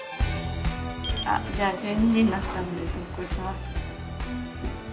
じゃあ１２時になったんで投稿しますね。